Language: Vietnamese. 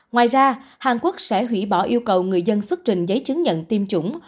ngoài ra hàn quốc sẽ hủy bỏ yêu cầu người dân xuất trình giấy chứng nhận tiêm chủng